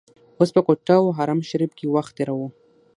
اوس په کوټه او حرم شریف کې وخت تیروو.